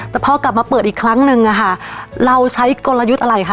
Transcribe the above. แต่พอกลับมาเปิดอีกครั้งนึงอะค่ะเราใช้กลยุทธ์อะไรคะ